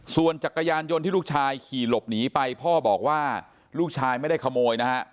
ส่วนจักรยานยนต์ที่ลูกชายขี่หลบหนีไปพ่อบอกว่าลูกชายไม่ได้ขโมยนะฮะ